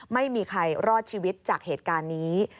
ไม่มีใครรอดชีวิตจากเหตุการณ์นี้